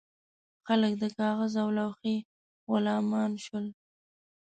خلک د کاغذ او لوحې غلامان شول.